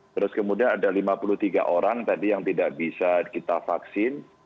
terus kemudian ada lima puluh tiga orang tadi yang tidak bisa kita vaksin